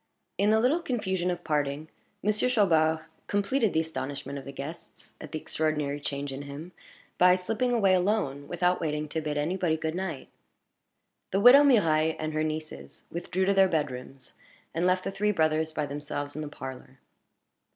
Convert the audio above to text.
In the little confusion of parting, Monsieur Chaubard completed the astonishment of the guests at the extraordinary change in him, by slipping away alone, without waiting to bid any body good night. The widow Mirailhe and her nieces withdrew to their bedrooms, and left the three brothers by themselves in the parlor.